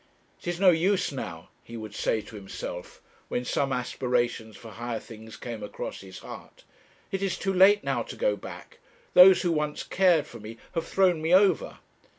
'It is no use now,' he would say to himself, when some aspirations for higher things came across his heart; 'it is too late now to go back. Those who once cared for me have thrown me over.'